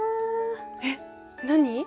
えっ何？